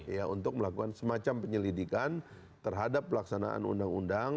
ya untuk melakukan semacam penyelidikan terhadap pelaksanaan undang undang